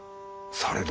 されど。